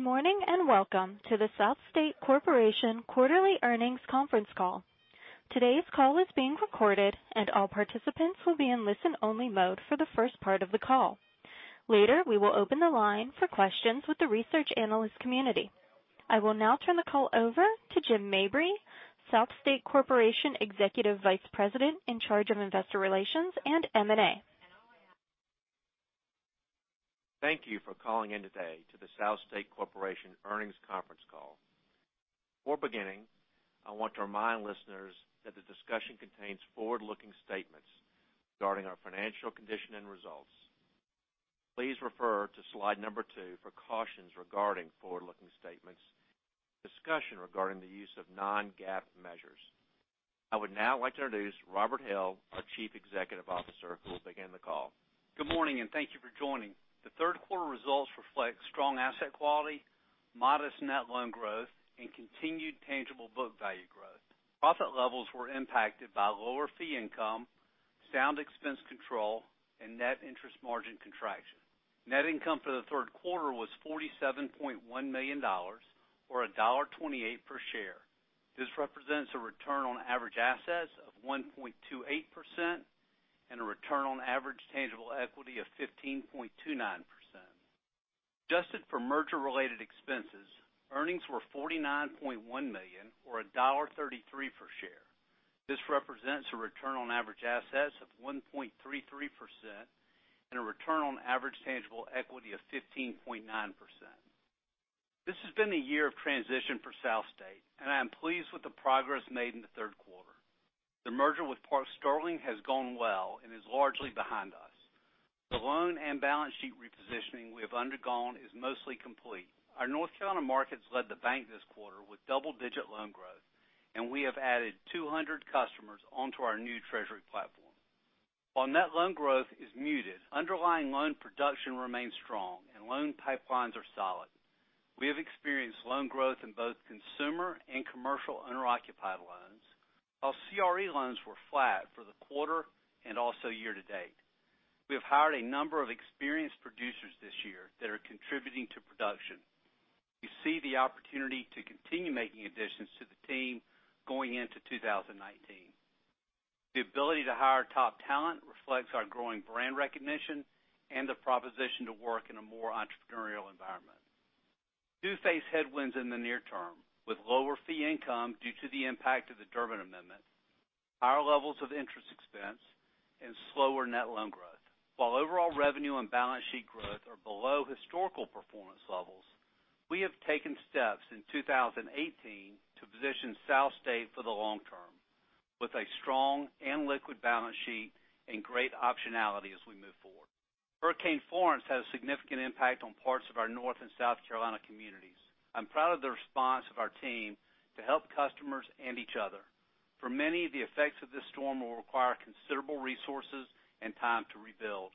Good morning, welcome to the South State Corporation quarterly earnings conference call. Today's call is being recorded, and all participants will be in listen-only mode for the first part of the call. Later, we will open the line for questions with the research analyst community. I will now turn the call over to Jim Mabry, South State Corporation Executive Vice President in charge of Investor Relations and M&A. Thank you for calling in today to the South State Corporation earnings conference call. Before beginning, I want to remind listeners that the discussion contains forward-looking statements regarding our financial condition and results. Please refer to slide number two for cautions regarding forward-looking statements, discussion regarding the use of non-GAAP measures. I would now like to introduce Robert Hill, our Chief Executive Officer, who will begin the call. Good morning, thank you for joining. The third quarter results reflect strong asset quality, modest net loan growth, and continued tangible book value growth. Profit levels were impacted by lower fee income, sound expense control, and net interest margin contraction. Net income for the third quarter was $47.1 million, or $1.28 per share. This represents a return on average assets of 1.28% and a return on average tangible equity of 15.29%. Adjusted for merger-related expenses, earnings were $49.1 million, or $1.33 per share. This represents a return on average assets of 1.33% and a return on average tangible equity of 15.9%. This has been a year of transition for SouthState, and I am pleased with the progress made in the third quarter. The merger with Park Sterling has gone well and is largely behind us. The loan and balance sheet repositioning we have undergone is mostly complete. Our North Carolina markets led the bank this quarter with double-digit loan growth, and we have added 200 customers onto our new treasury platform. While net loan growth is muted, underlying loan production remains strong and loan pipelines are solid. We have experienced loan growth in both consumer and commercial owner-occupied loans, while CRE loans were flat for the quarter and also year to date. We have hired a number of experienced producers this year that are contributing to production. We see the opportunity to continue making additions to the team going into 2019. The ability to hire top talent reflects our growing brand recognition and the proposition to work in a more entrepreneurial environment. We do face headwinds in the near term with lower fee income due to the impact of the Durbin Amendment, higher levels of interest expense, and slower net loan growth. While overall revenue and balance sheet growth are below historical performance levels, we have taken steps in 2018 to position SouthState for the long term with a strong and liquid balance sheet and great optionality as we move forward. Hurricane Florence had a significant impact on parts of our North and South Carolina communities. I'm proud of the response of our team to help customers and each other. For many, the effects of this storm will require considerable resources and time to rebuild.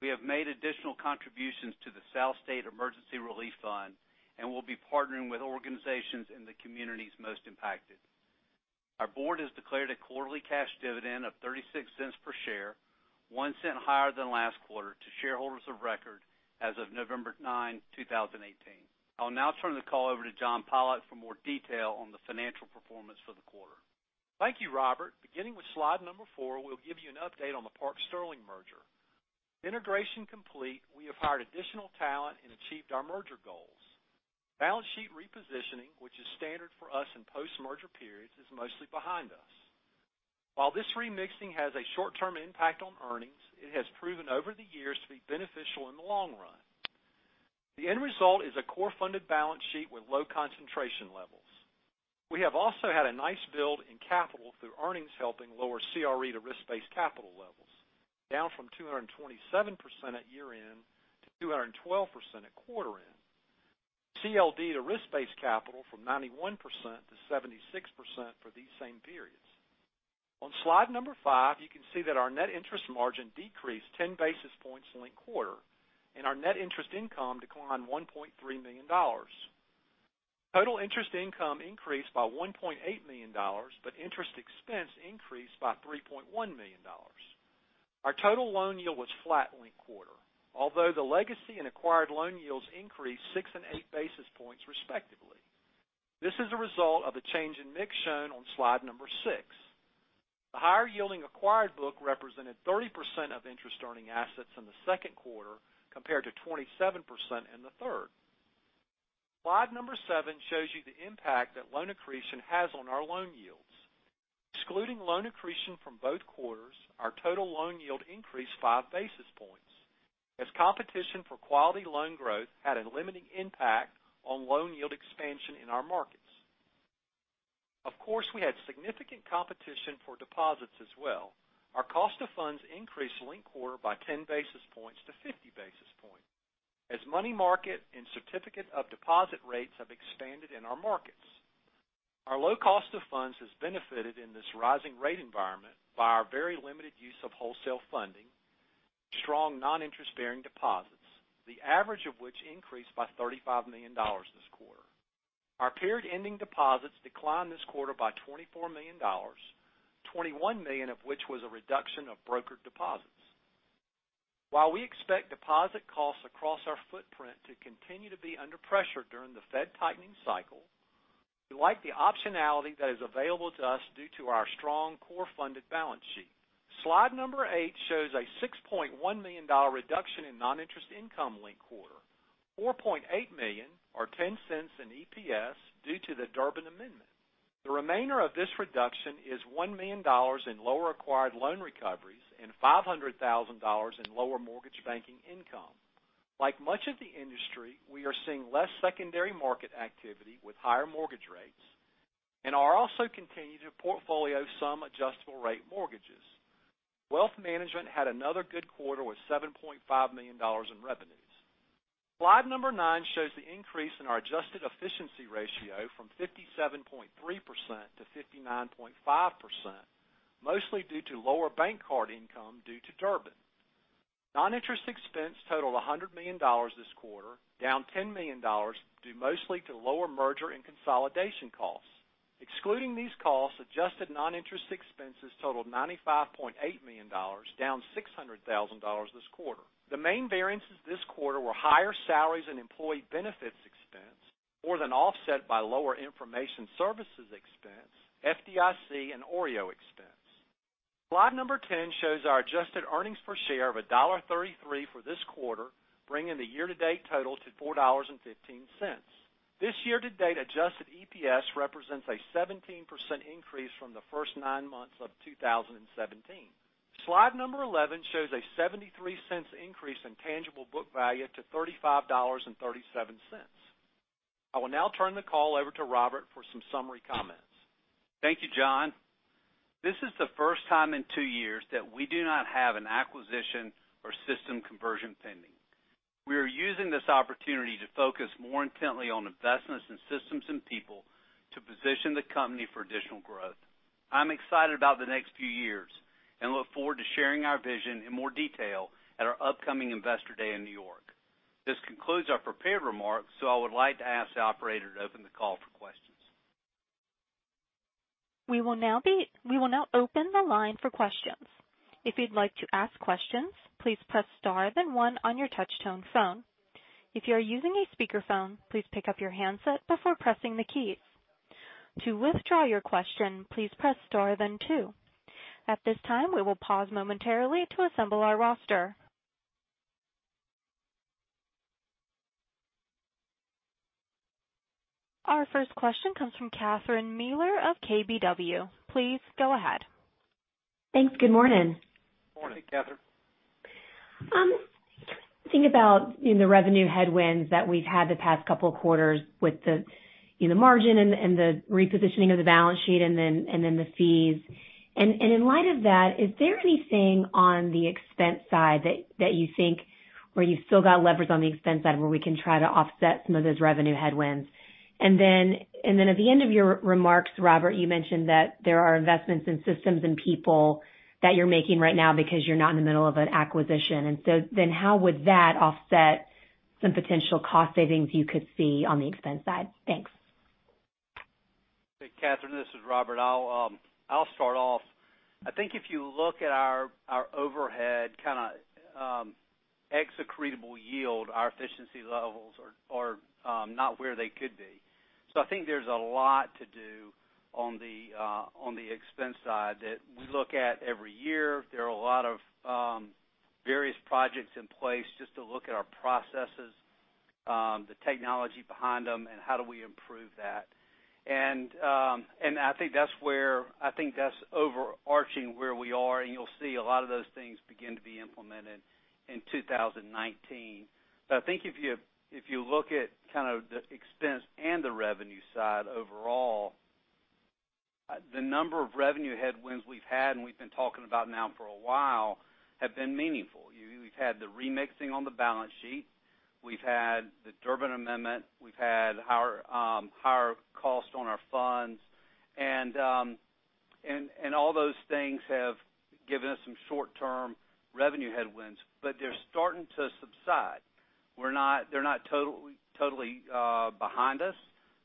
We have made additional contributions to the SouthState Emergency Relief Fund and will be partnering with organizations in the communities most impacted. Our board has declared a quarterly cash dividend of $0.36 per share, $0.01 higher than last quarter, to shareholders of record as of November 9, 2018. I will now turn the call over to John Pollok for more detail on the financial performance for the quarter. Thank you, Robert. Beginning with slide number four, we'll give you an update on the Park Sterling merger. Integration complete, we have hired additional talent and achieved our merger goals. Balance sheet repositioning, which is standard for us in post-merger periods, is mostly behind us. While this remixing has a short-term impact on earnings, it has proven over the years to be beneficial in the long run. The end result is a core funded balance sheet with low concentration levels. We have also had a nice build in capital through earnings, helping lower CRE to risk-based capital levels, down from 227% at year-end to 212% at quarter-end. CLD to risk-based capital from 91% to 76% for these same periods. On slide number five, you can see that our net interest margin decreased 10 basis points linked quarter and our net interest income declined $1.3 million. Total interest income increased by $1.8 million, but interest expense increased by $3.1 million. Our total loan yield was flat linked quarter, although the legacy and acquired loan yields increased six and eight basis points respectively. This is a result of the change in mix shown on slide number six. The higher yielding acquired book represented 30% of interest-earning assets in the second quarter compared to 27% in the third. Slide number seven shows you the impact that loan accretion has on our loan yields. Excluding loan accretion from both quarters, our total loan yield increased five basis points, as competition for quality loan growth had a limiting impact on loan yield expansion in our markets. Of course, we had significant competition for deposits as well. Our cost of funds increased linked quarter by 10 basis points to 50 basis points, as money market and certificate of deposit rates have expanded in our markets. Our low cost of funds has benefited in this rising rate environment by our very limited use of wholesale funding, strong non-interest-bearing deposits, the average of which increased by $35 million. Our period-ending deposits declined this quarter by $24 million, $21 million of which was a reduction of brokered deposits. While we expect deposit costs across our footprint to continue to be under pressure during the Fed tightening cycle, we like the optionality that is available to us due to our strong core funded balance sheet. Slide number eight shows a $6.1 million reduction in non-interest income linked quarter, $4.8 million or $0.10 in EPS due to the Durbin Amendment. The remainder of this reduction is $1 million in lower acquired loan recoveries and $500,000 in lower mortgage banking income. Like much of the industry, we are seeing less secondary market activity with higher mortgage rates and are also continuing to portfolio some Adjustable-Rate Mortgages. Wealth management had another good quarter with $7.5 million in revenues. Slide number nine shows the increase in our adjusted efficiency ratio from 57.3% to 59.5%, mostly due to lower bank card income due to Durbin. Non-interest expense totaled $100 million this quarter, down $10 million due mostly to lower merger and consolidation costs. Excluding these costs, adjusted non-interest expenses totaled $95.8 million, down $600,000 this quarter. The main variances this quarter were higher salaries and employee benefits expense more than offset by lower information services expense, FDIC, and OREO expense. Slide number 10 shows our adjusted earnings per share of $1.33 for this quarter, bringing the year-to-date total to $4.15. This year-to-date adjusted EPS represents a 17% increase from the first nine months of 2017. Slide number 11 shows a $0.73 increase in tangible book value to $35.37. I will now turn the call over to Robert for some summary comments. Thank you, John. This is the first time in two years that we do not have an acquisition or system conversion pending. We are using this opportunity to focus more intently on investments in systems and people to position the company for additional growth. I'm excited about the next few years and look forward to sharing our vision in more detail at our upcoming Investor Day in New York. I would like to ask the operator to open the call for questions. We will now open the line for questions. If you'd like to ask questions, please press star then one on your touch tone phone. If you are using a speaker phone, please pick up your handset before pressing the keys. To withdraw your question, please press star then two. At this time, we will pause momentarily to assemble our roster. Our first question comes from Catherine Mealor of KBW. Please go ahead. Thanks. Good morning. Morning. Hey, Catherine. Thinking about the revenue headwinds that we've had the past couple of quarters with the margin and the repositioning of the balance sheet and then the fees. In light of that, is there anything on the expense side that you think where you've still got leverage on the expense side where we can try to offset some of those revenue headwinds? Then at the end of your remarks, Robert, you mentioned that there are investments in systems and people that you're making right now because you're not in the middle of an acquisition. How would that offset some potential cost savings you could see on the expense side? Thanks. Hey, Catherine, this is Robert. I'll start off. I think if you look at our overhead kind of ex-accretable yield, our efficiency levels are not where they could be. I think there's a lot to do on the expense side that we look at every year. There are a lot of various projects in place just to look at our processes, the technology behind them, and how do we improve that. I think that's overarching where we are, and you'll see a lot of those things begin to be implemented in 2019. I think if you look at kind of the expense and the revenue side overall, the number of revenue headwinds we've had, and we've been talking about now for a while, have been meaningful. We've had the remixing on the balance sheet. We've had the Durbin Amendment. We've had higher cost on our funds. All those things have given us some short-term revenue headwinds, but they're starting to subside. They're not totally behind us,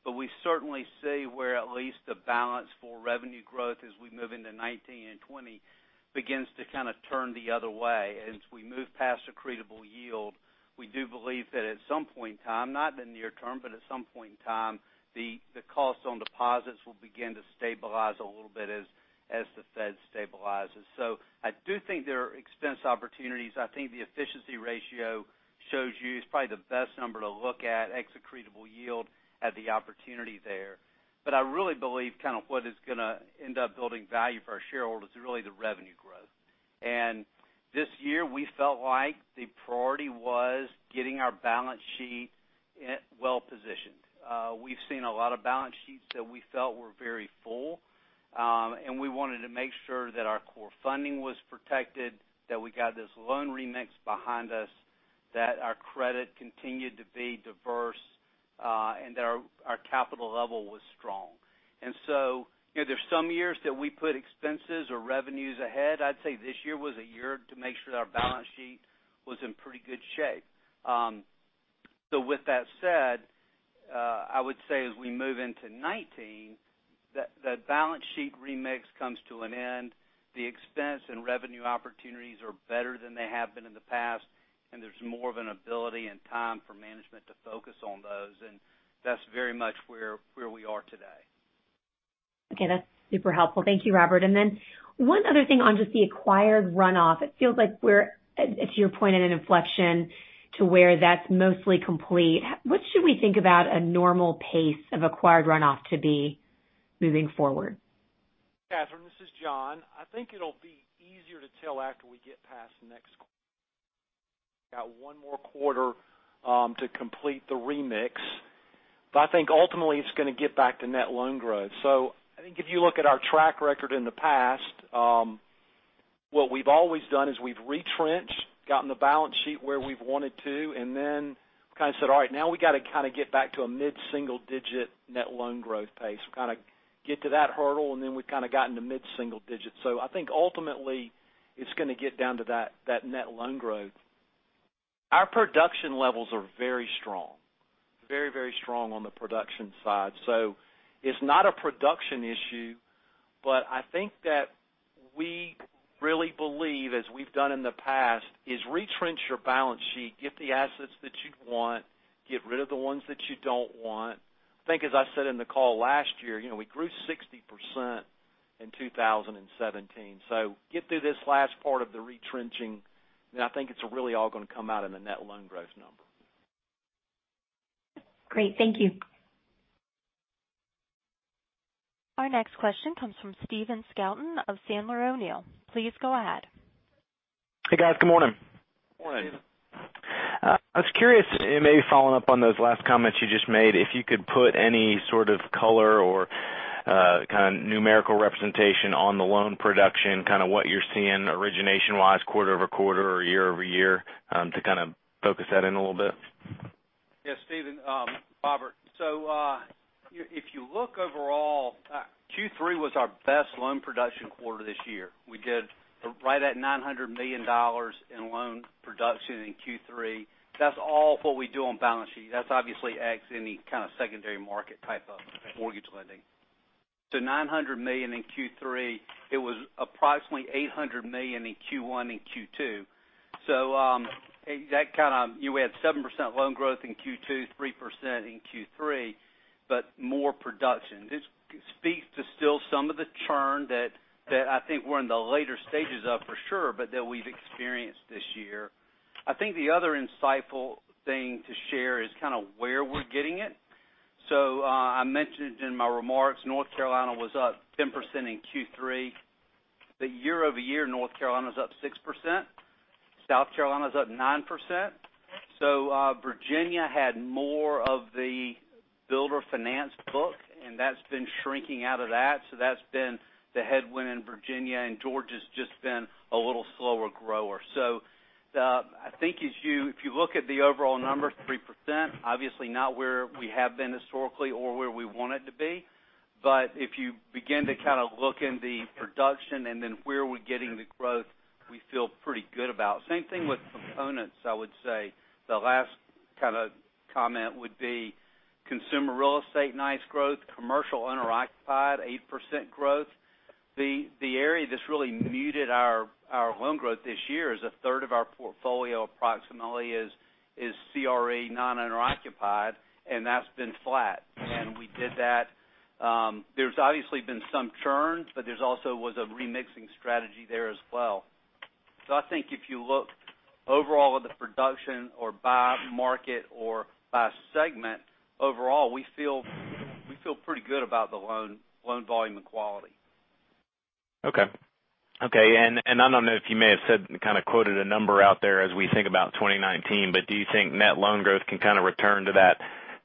but we certainly see where at least the balance for revenue growth as we move into 2019 and 2020 begins to kind of turn the other way. As we move past accretable yield, we do believe that at some point in time, not in the near term, but at some point in time, the cost on deposits will begin to stabilize a little bit as the Fed stabilizes. I do think there are expense opportunities. I think the efficiency ratio shows you is probably the best number to look at, ex-accretable yield at the opportunity there. I really believe what is going to end up building value for our shareholders is really the revenue growth. This year, we felt like the priority was getting our balance sheet well-positioned. We've seen a lot of balance sheets that we felt were very full. We wanted to make sure that our core funding was protected, that we got this loan remix behind us, that our credit continued to be diverse, and that our capital level was strong. There's some years that we put expenses or revenues ahead. I'd say this year was a year to make sure that our balance sheet was in pretty good shape. With that said, I would say as we move into 2019, the balance sheet remix comes to an end. The expense and revenue opportunities are better than they have been in the past, and there's more of an ability and time for management to focus on those. That's very much where we are today. Okay. That's super helpful. Thank you, Robert. One other thing on just the acquired runoff, it feels like we're, to your point, at an inflection to where that's mostly complete. What should we think about a normal pace of acquired runoff to be moving forward? Catherine, this is John. I think it'll be easier to tell after we get past next quarter. We've got one more quarter to complete the remix. I think ultimately, it's going to get back to net loan growth. I think if you look at our track record in the past, what we've always done is we've retrenched, gotten the balance sheet where we've wanted to, and then kind of said, "All right, now we got to kind of get back to a mid-single-digit net loan growth pace." We kind of get to that hurdle, and then we've kind of got into mid-single digits. I think ultimately, it's going to get down to that net loan growth. Our production levels are very strong on the production side. It's not a production issue, but I think that we really believe, as we've done in the past, is retrench your balance sheet, get the assets that you'd want, get rid of the ones that you don't want. I think as I said in the call last year, we grew 60% in 2017. Get through this last part of the retrenching, and I think it's really all going to come out in the net loan growth number. Great. Thank you. Our next question comes from Stephen Scouten of Sandler O'Neill. Please go ahead. Hey, guys. Good morning. Morning. I was curious, maybe following up on those last comments you just made, if you could put any sort of color or kind of numerical representation on the loan production, kind of what you're seeing origination-wise quarter-over-quarter or year-over-year, to kind of focus that in a little bit. Yes, Stephen, Robert. If you look overall, Q3 was our best loan production quarter this year. We did right at $900 million in loan production in Q3. That's all what we do on balance sheet. That's obviously adds any kind of secondary market type of mortgage lending. $900 million in Q3. It was approximately $800 million in Q1 and Q2. We had 7% loan growth in Q2, 3% in Q3, but more production. This speaks to still some of the churn that I think we're in the later stages of for sure, but that we've experienced this year. I think the other insightful thing to share is kind of where we're getting it. I mentioned in my remarks, North Carolina was up 10% in Q3. The year-over-year, North Carolina's up 6%, South Carolina's up 9%. Virginia had more of the builder finance book, and that's been shrinking out of that. That's been the headwind in Virginia, and Georgia's just been a little slower grower. I think if you look at the overall number, 3%, obviously not where we have been historically or where we want it to be. If you begin to kind of look in the production and then where we're getting the growth, we feel pretty good about. Same thing with components, I would say. The last kind of comment would be consumer real estate, nice growth, commercial owner-occupied, 8% growth. The area that's really muted our loan growth this year is a third of our portfolio approximately is CRE non-owner occupied, and that's been flat. There's obviously been some churn, but there also was a remixing strategy there as well. I think if you look overall at the production or by market or by segment, overall, we feel pretty good about the loan volume and quality. Okay. I don't know if you may have said, kind of quoted a number out there as we think about 2019, but do you think net loan growth can kind of return to that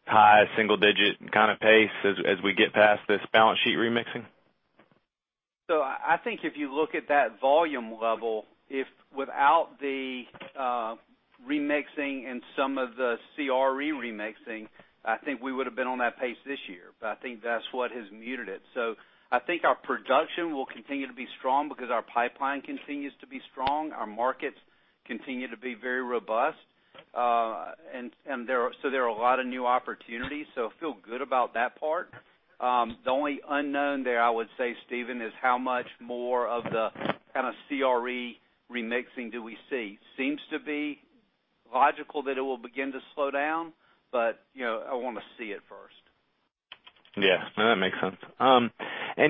high single-digit kind of pace as we get past this balance sheet remixing? I think if you look at that volume level, if without the remixing and some of the CRE remixing, I think we would've been on that pace this year, but I think that's what has muted it. I think our production will continue to be strong because our pipeline continues to be strong. Our markets continue to be very robust. There are a lot of new opportunities, so feel good about that part. The only unknown there, I would say, Stephen, is how much more of the kind of CRE remixing do we see? Seems to be logical that it will begin to slow down, but I want to see it first. Yeah. No, that makes sense.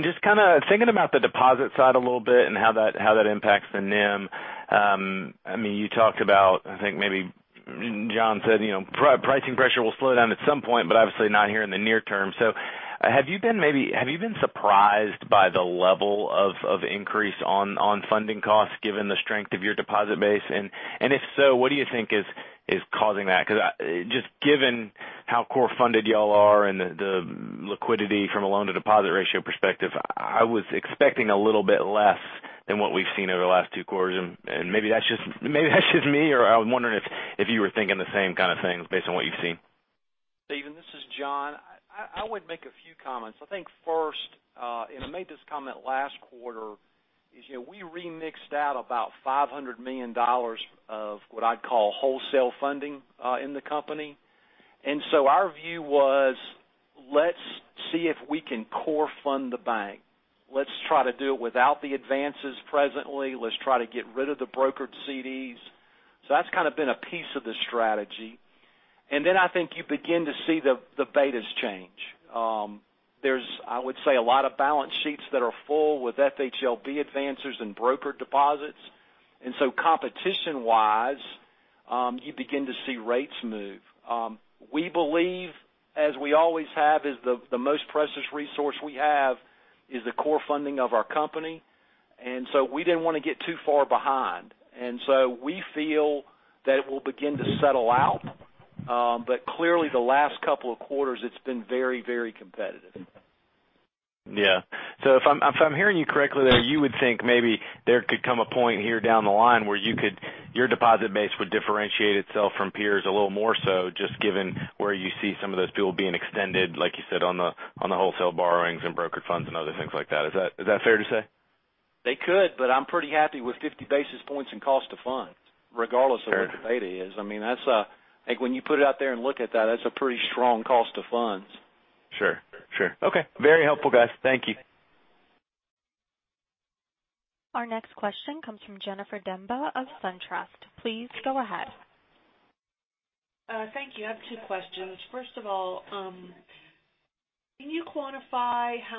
Just kind of thinking about the deposit side a little bit and how that impacts the NIM. You talked about, I think maybe John said, pricing pressure will slow down at some point, but obviously not here in the near term. Have you been surprised by the level of increase on funding costs given the strength of your deposit base? If so, what do you think is causing that? Because just given how core funded you all are and the liquidity from a loan-to-deposit ratio perspective I was expecting a little bit less than what we've seen over the last two quarters, maybe that's just me, I was wondering if you were thinking the same kind of things based on what you've seen. Stephen, this is John. I would make a few comments. I think first, I made this comment last quarter, is we remixed out about $500 million of what I'd call wholesale funding, in the company. Our view was, let's see if we can core fund the bank. Let's try to do it without the advances presently. Let's try to get rid of the brokered CDs. That's kind of been a piece of the strategy. Then I think you begin to see the betas change. There's, I would say, a lot of balance sheets that are full with FHLB advances and broker deposits. Competition-wise, you begin to see rates move. We believe, as we always have, is the most precious resource we have is the core funding of our company. We didn't want to get too far behind. We feel that it will begin to settle out. Clearly, the last couple of quarters, it's been very competitive. Yeah. If I'm hearing you correctly there, you would think maybe there could come a point here down the line where your deposit base would differentiate itself from peers a little more so just given where you see some of those deals being extended, like you said, on the wholesale borrowings and brokered funds and other things like that. Is that fair to say? They could, but I'm pretty happy with 50 basis points in cost of funds, regardless of Sure what the beta is. I think when you put it out there and look at that's a pretty strong cost of funds. Sure. Okay. Very helpful, guys. Thank you. Our next question comes from Jennifer Demba of SunTrust. Please go ahead. Thank you. I have two questions. First of all, can you quantify how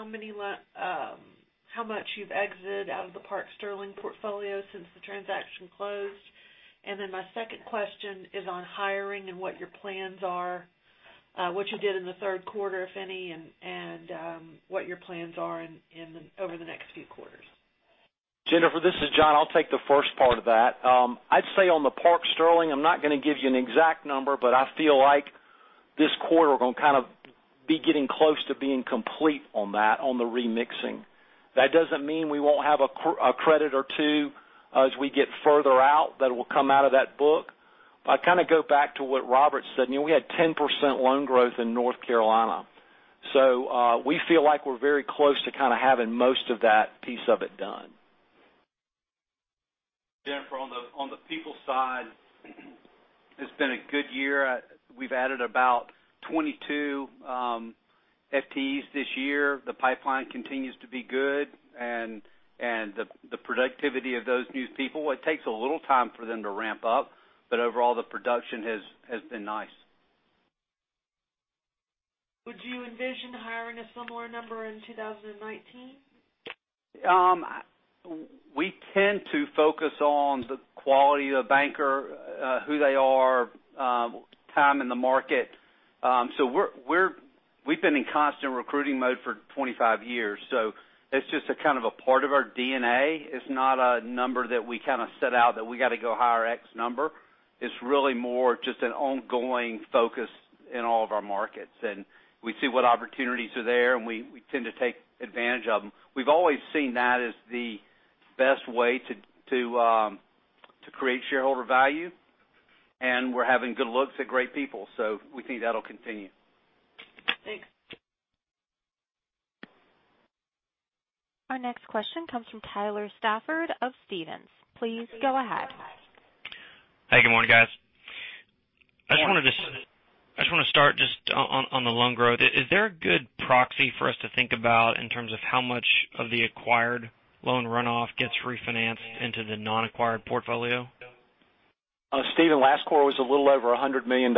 much you've exited out of the Park Sterling portfolio since the transaction closed? My second question is on hiring and what your plans are, what you did in the third quarter, if any, and what your plans are over the next few quarters. Jennifer, this is John. I'll take the first part of that. I'd say on the Park Sterling, I'm not going to give you an exact number, but I feel like this quarter we're going to kind of be getting close to being complete on that, on the remixing. That doesn't mean we won't have a credit or two as we get further out that will come out of that book. If I kind of go back to what Robert said, we had 10% loan growth in North Carolina. We feel like we're very close to kind of having most of that piece of it done. Jennifer, on the people side, it's been a good year. We've added about 22 FTEs this year. The pipeline continues to be good the productivity of those new people, it takes a little time for them to ramp up, overall, the production has been nice. Would you envision hiring a similar number in 2019? We tend to focus on the quality of banker, who they are, time in the market. We've been in constant recruiting mode for 25 years. It's just a kind of a part of our DNA. It's not a number that we kind of set out that we got to go hire X number. It's really more just an ongoing focus in all of our markets. We see what opportunities are there, and we tend to take advantage of them. We've always seen that as the best way to create shareholder value, and we're having good looks at great people, so we think that'll continue. Thanks. Our next question comes from Tyler Stafford of Stephens. Please go ahead. Hi, good morning, guys. I just want to start just on the loan growth. Is there a good proxy for us to think about in terms of how much of the acquired loan runoff gets refinanced into the non-acquired portfolio? Stephen, last quarter was a little over $100 million.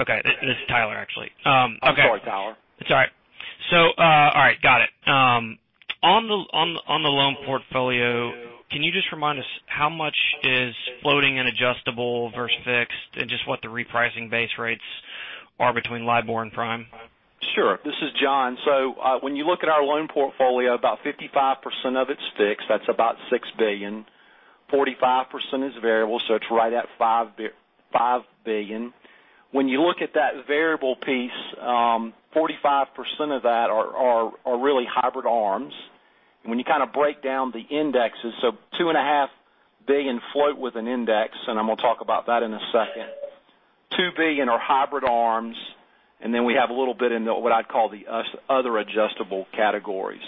Okay. This is Tyler, actually. I'm sorry, Tyler. It's all right. All right. Got it. On the loan portfolio, can you just remind us how much is floating and adjustable versus fixed, and just what the repricing base rates are between LIBOR and prime? Sure. This is John. When you look at our loan portfolio, about 55% of it's fixed. That's about $6 billion. 45% is variable. It's right at $5 billion. When you look at that variable piece, 45% of that are really hybrid ARMs. When you kind of break down the indexes, $2.5 billion float with an index, and I'm going to talk about that in a second. $2 billion are hybrid ARMs, and then we have a little bit in what I'd call the other adjustable categories.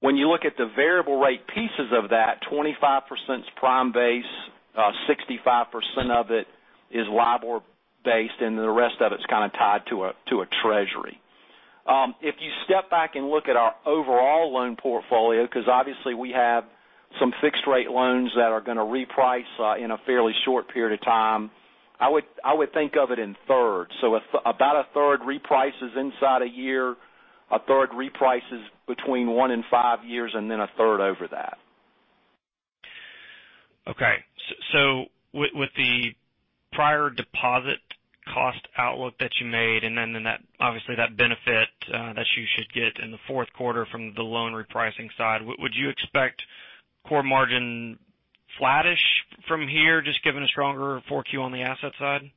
When you look at the variable rate pieces of that, 25% is prime base, 65% of it is LIBOR based, and the rest of it's kind of tied to a treasury. If you step back and look at our overall loan portfolio, because obviously we have some fixed rate loans that are going to reprice in a fairly short period of time, I would think of it in thirds. About a third reprices inside a year, a third reprices between one and five years, and then a third over that. Okay. With the prior deposit cost outlook that you made, and then obviously that benefit that you should get in the fourth quarter from the loan repricing side, would you expect core margin flattish from here, just given a stronger 4Q on the asset side?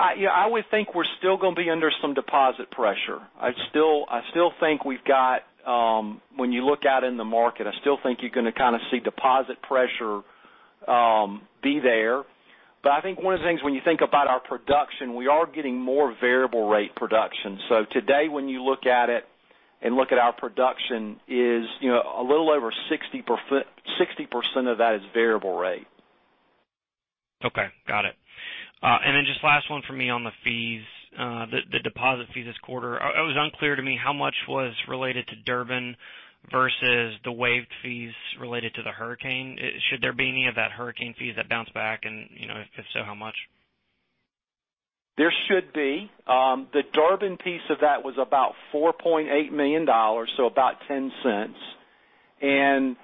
I would think we're still going to be under some deposit pressure. When you look out in the market, I still think you're going to see deposit pressure be there. I think one of the things, when you think about our production, we are getting more variable rate production. Today when you look at it and look at our production, a little over 60% of that is variable rate. Okay. Got it. Just last one from me on the fees, the deposit fees this quarter. It was unclear to me how much was related to Durbin versus the waived fees related to the Hurricane. Should there be any of that Hurricane fees that bounce back and, if so, how much? There should be. The Durbin piece of that was about $4.8 million, about $0.10. The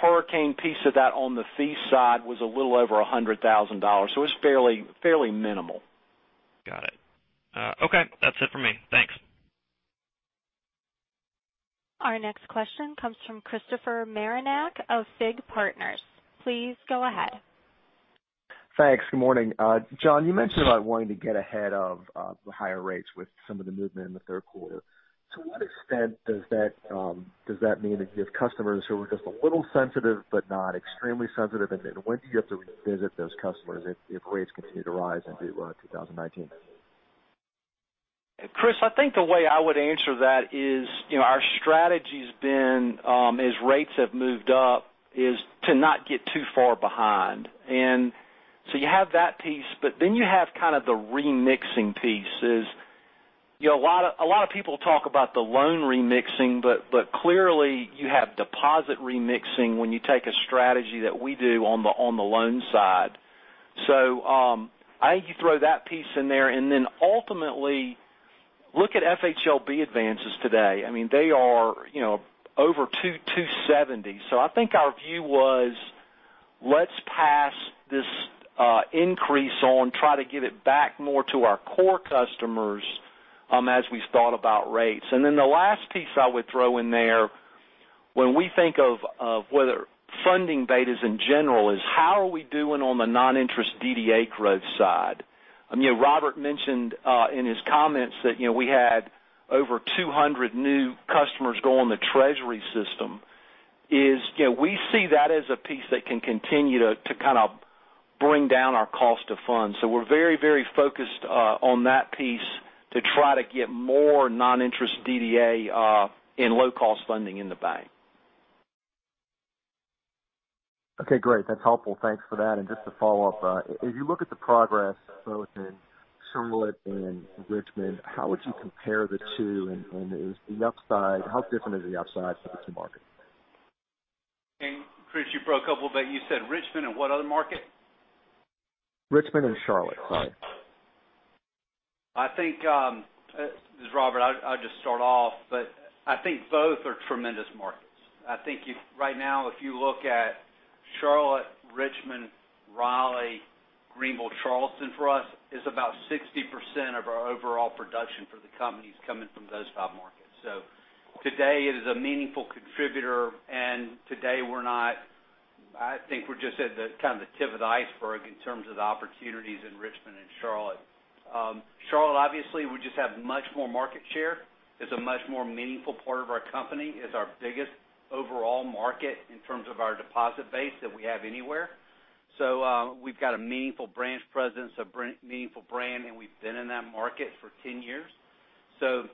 hurricane piece of that on the fee side was a little over $100,000. It's fairly minimal. Got it. Okay, that's it for me. Thanks. Our next question comes from Christopher Marinac of FIG Partners. Please go ahead. Thanks. Good morning. John, you mentioned about wanting to get ahead of the higher rates with some of the movement in the third quarter. To what extent does that mean that you have customers who are just a little sensitive but not extremely sensitive? When do you have to revisit those customers if rates continue to rise into 2019? Chris, I think the way I would answer that is, our strategy has been, as rates have moved up, is to not get too far behind. You have that piece, you have kind of the remixing piece is, a lot of people talk about the loan remixing, but clearly you have deposit remixing when you take a strategy that we do on the loan side. I think you throw that piece in there and ultimately look at FHLB advances today. They are over 270. I think our view was let's pass this increase on, try to give it back more to our core customers as we thought about rates. The last piece I would throw in there, when we think of whether funding betas in general is how are we doing on the non-interest DDA growth side. Robert mentioned in his comments that we had over 200 new customers go on the treasury system is, we see that as a piece that can continue to kind of bring down our cost of funds. We're very focused on that piece to try to get more non-interest DDA in low cost funding in the bank. Okay, great. That's helpful. Thanks for that. Just to follow up, if you look at the progress both in Charlotte and Richmond, how would you compare the two and how different is the upside for the two markets? Chris, you broke up a bit. You said Richmond and what other market? Richmond and Charlotte, sorry. This is Robert. I'll just start off. I think both are tremendous markets. I think right now, if you look at Charlotte, Richmond, Raleigh, Greenville, Charleston for us is about 60% of our overall production for the company is coming from those five markets. Today it is a meaningful contributor and today I think we're just at the tip of the iceberg in terms of the opportunities in Richmond and Charlotte. Charlotte, obviously, we just have much more market share, it's a much more meaningful part of our company, it's our biggest overall market in terms of our deposit base that we have anywhere. We've got a meaningful branch presence, a meaningful brand, and we've been in that market for 10 years. We've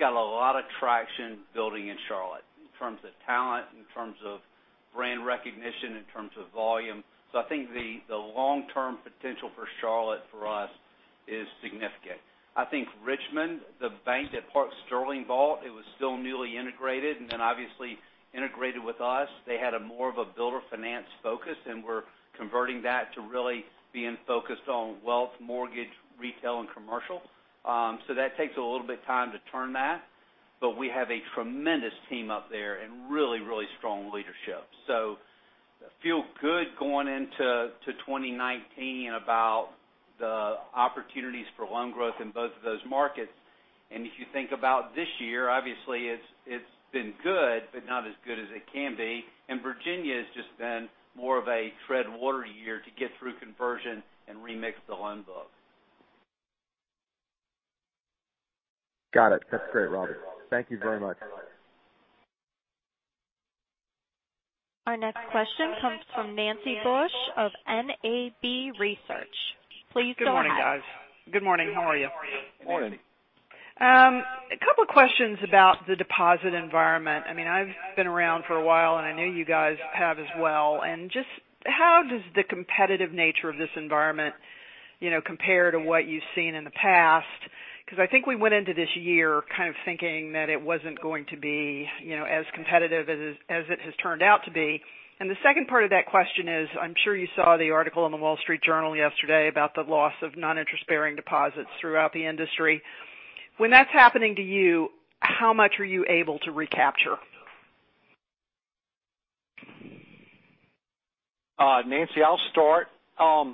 got a lot of traction building in Charlotte in terms of talent, in terms of brand recognition, in terms of volume. I think the long-term potential for Charlotte for us is significant. I think Richmond, the bank that Park Sterling bought, it was still newly integrated then obviously integrated with us. They had a more of a builder finance focus, we're converting that to really being focused on wealth, mortgage, retail, and commercial. That takes a little bit time to turn that. We have a tremendous team up there and really strong leadership. I feel good going into 2019 about the opportunities for loan growth in both of those markets. If you think about this year, obviously it's been good, not as good as it can be. Virginia has just been more of a tread water year to get through conversion and remix the loan book. Got it. That's great, Robert. Thank you very much. Our next question comes from Nancy Bush of NAB Research. Please go ahead. Good morning, guys. Good morning. How are you? Morning. A couple of questions about the deposit environment. I've been around for a while, and I know you guys have as well. Just how does the competitive nature of this environment compare to what you've seen in the past? I think we went into this year kind of thinking that it wasn't going to be as competitive as it has turned out to be. The second part of that question is, I'm sure you saw the article in The Wall Street Journal yesterday about the loss of non-interest bearing deposits throughout the industry. When that's happening to you, how much are you able to recapture? Nancy, I'll start. I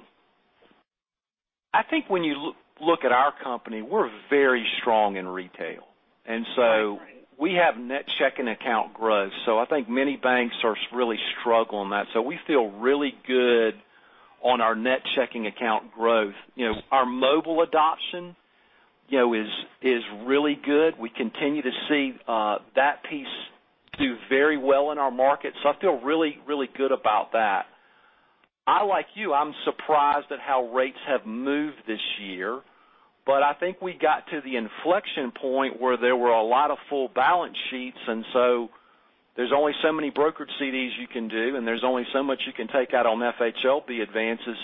think when you look at our company, we're very strong in retail. Right. We have net checking account growth. I think many banks are really struggling with that. We feel really good on our net checking account growth. Our mobile adoption is really good. We continue to see that piece do very well in our market. I feel really good about that. I, like you, I'm surprised at how rates have moved this year, but I think we got to the inflection point where there were a lot of full balance sheets. There's only so many brokered CDs you can do, and there's only so much you can take out on FHLB advances.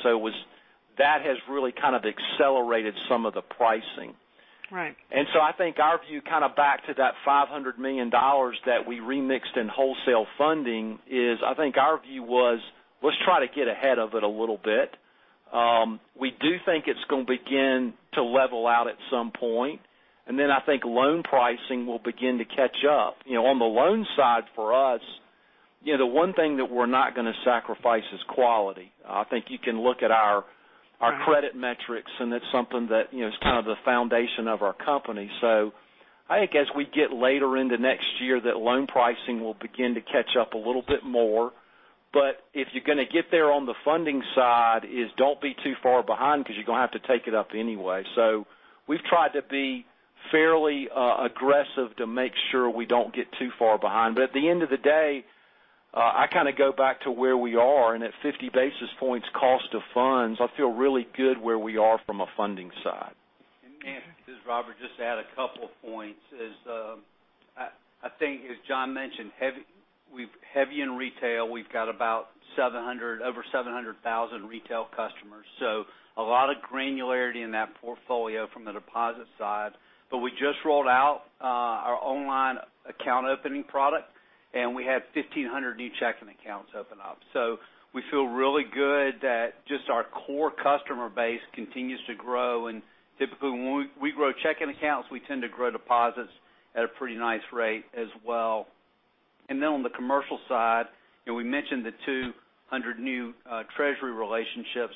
That has really kind of accelerated some of the pricing. Right. I think our view, kind of back to that $500 million that we remixed in wholesale funding is, I think our view was, let's try to get ahead of it a little bit. We do think it's going to begin to level out at some point, and I think loan pricing will begin to catch up. On the loan side for us, the one thing that we're not going to sacrifice is quality. I think you can look at our credit metrics, and it's something that is kind of the foundation of our company. I think as we get later into next year, that loan pricing will begin to catch up a little bit more. If you're going to get there on the funding side is, don't be too far behind because you're going to have to take it up anyway. We've tried to be fairly aggressive to make sure we don't get too far behind. At the end of the day, I kind of go back to where we are. At 50 basis points cost of funds, I feel really good where we are from a funding side. This is Robert, just to add a couple of points is, I think as John mentioned, we're heavy in retail. We've got about over 700,000 retail customers, a lot of granularity in that portfolio from the deposit side. We just rolled out our online account opening product, and we had 1,500 new checking accounts open up. We feel really good that just our core customer base continues to grow. Typically, when we grow checking accounts, we tend to grow deposits at a pretty nice rate as well. On the commercial side, we mentioned the 200 new treasury relationships.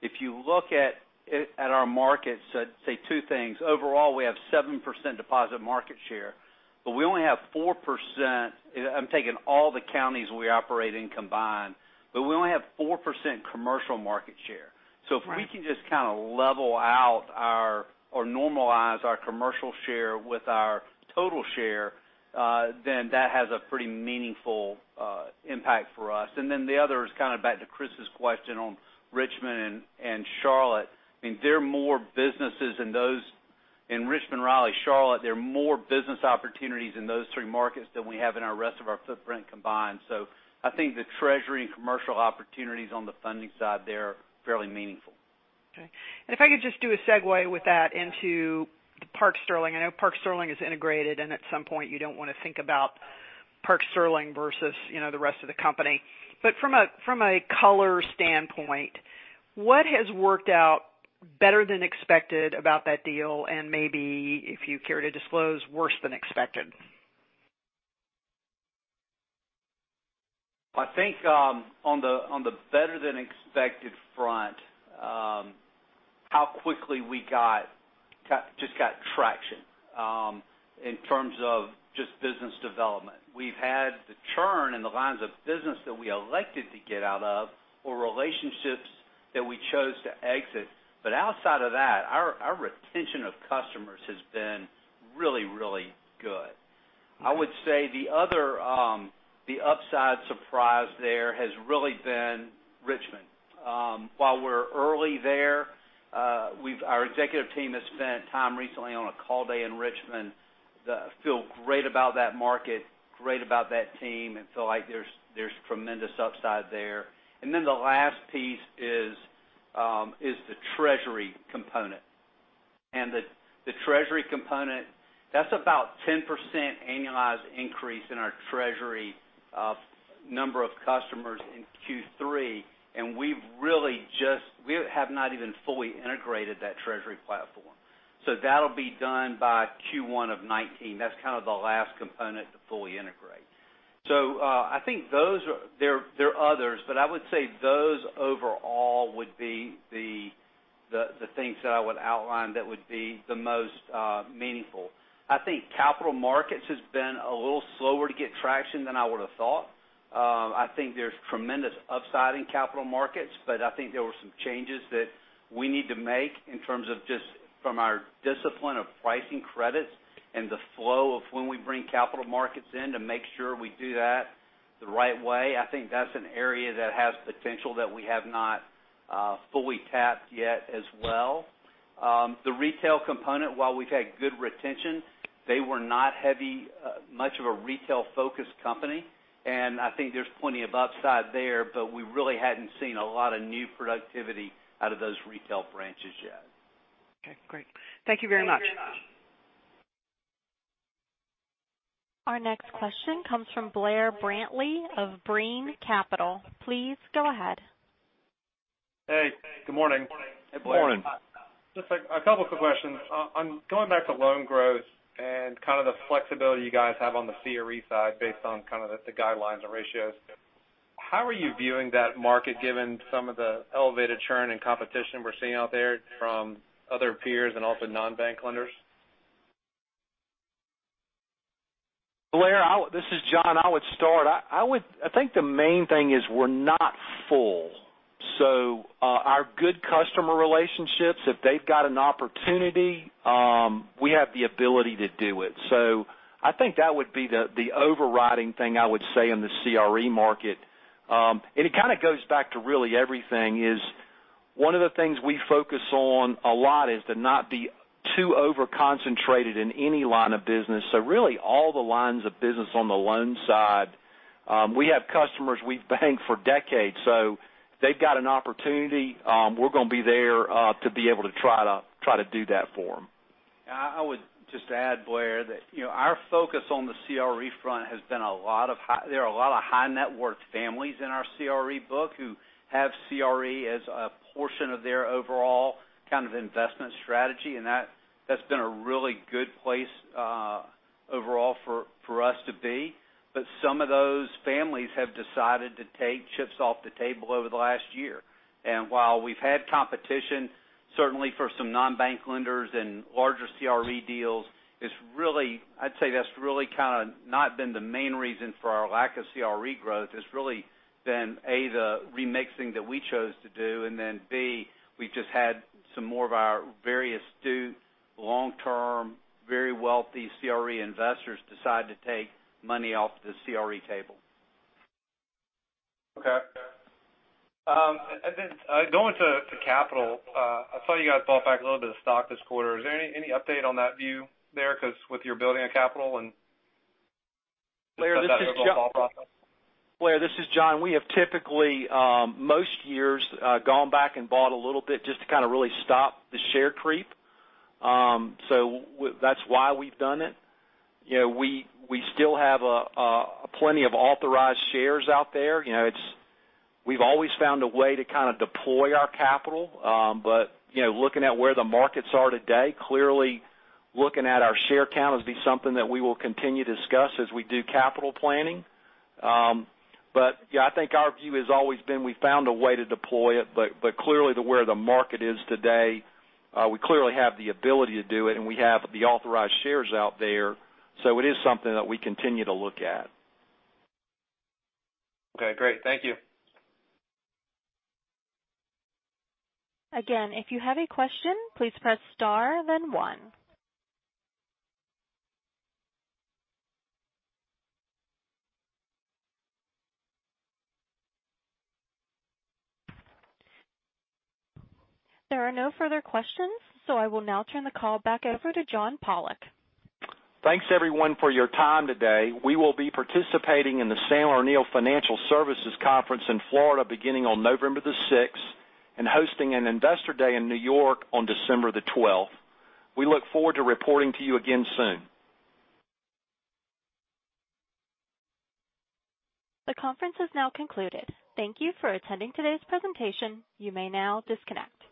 If you look at our markets, I'd say two things. Overall, we have 7% deposit market share, but we only have 4%, I'm taking all the counties we operate in combined, but we only have 4% commercial market share. Right. If we can just kind of level out our, or normalize our commercial share with our total share, then that has a pretty meaningful impact for us. The other is kind of back to Chris's question on Richmond and Charlotte. In Richmond, Raleigh, Charlotte, there are more business opportunities in those three markets than we have in our rest of our footprint combined. I think the treasury and commercial opportunities on the funding side there are fairly meaningful. Okay. If I could just do a segue with that into Park Sterling. I know Park Sterling is integrated, and at some point, you don't want to think about Park Sterling versus the rest of the company. From a color standpoint, what has worked out better than expected about that deal, and maybe if you care to disclose, worse than expected? I think on the better than expected front, how quickly we just got traction in terms of just business development. We've had the churn in the lines of business that we elected to get out of or relationships that we chose to exit. Outside of that, our retention of customers has been really good. I would say the other, the upside surprise there has really been Richmond. While we're early there, our executive team has spent time recently on a call day in Richmond. They feel great about that market, great about that team, and feel like there's tremendous upside there. The last piece is the treasury component. The treasury component, that's about 10% annualized increase in our treasury number of customers in Q3, and we have not even fully integrated that treasury platform. That'll be done by Q1 of 2019. That's kind of the last component to fully integrate. I think there are others, but I would say those overall would be the things that I would outline that would be the most meaningful. I think capital markets has been a little slower to get traction than I would've thought. I think there's tremendous upside in capital markets, but I think there were some changes that we need to make in terms of just from our discipline of pricing credits and the flow of when we bring capital markets in to make sure we do that the right way. I think that's an area that has potential that we have not fully tapped yet as well. The retail component, while we've had good retention, they were not much of a retail-focused company, and I think there's plenty of upside there, but we really hadn't seen a lot of new productivity out of those retail branches yet. Okay, great. Thank you very much. Our next question comes from Blair Brantley of Brean Capital. Please go ahead. Hey, good morning. Hey, Blair. Morning. Just a couple quick questions. On going back to loan growth and kind of the flexibility you guys have on the CRE side based on kind of the guidelines and ratios, how are you viewing that market, given some of the elevated churn and competition we're seeing out there from other peers and also non-bank lenders? Blair, this is John. I would start. I think the main thing is we're not full. Our good customer relationships, if they've got an opportunity, we have the ability to do it. I think that would be the overriding thing I would say in the CRE market. It kind of goes back to really everything is one of the things we focus on a lot is to not be too over-concentrated in any line of business, really all the lines of business on the loan side. We have customers we've banked for decades, so they've got an opportunity, we're going to be there to be able to try to do that for them. I would just add, Blair, that our focus on the CRE front, there are a lot of high-net-worth families in our CRE book who have CRE as a portion of their overall investment strategy, and that's been a really good place overall for us to be. Some of those families have decided to take chips off the table over the last year. While we've had competition, certainly for some non-bank lenders and larger CRE deals, I'd say that's really kind of not been the main reason for our lack of CRE growth. It's really been, A, the remixing that we chose to do, and then, B, we've just had some more of our very astute, long-term, very wealthy CRE investors decide to take money off the CRE table. Okay. Going to capital, I saw you guys bought back a little bit of stock this quarter. Is there any update on that view there because with your building on capital and- Blair, this is John. We have typically most years gone back and bought a little bit just to kind of really stop the share creep. That's why we've done it. We still have plenty of authorized shares out there. We've always found a way to deploy our capital. Looking at where the markets are today, clearly looking at our share count as be something that we will continue to discuss as we do capital planning. Yeah, I think our view has always been we found a way to deploy it. Clearly to where the market is today, we clearly have the ability to do it, and we have the authorized shares out there. It is something that we continue to look at. Okay, great. Thank you. Again, if you have a question, please press star then one. There are no further questions, I will now turn the call back over to John Pollok. Thanks, everyone, for your time today. We will be participating in the Sandler O'Neill Financial Services Conference in Florida beginning on November the 6th and hosting an Investor Day in New York on December the 12th. We look forward to reporting to you again soon. The conference has now concluded. Thank you for attending today's presentation. You may now disconnect.